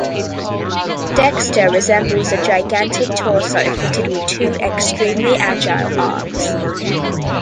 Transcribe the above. Dextre resembles a gigantic torso fitted with two extremely agile, arms.